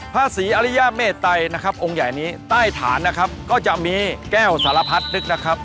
พระศรีอริยาเมตัยนะครับองค์ใหญ่นี้ใต้ฐานนะครับก็จะมีแก้วสารพัดนึกนะครับ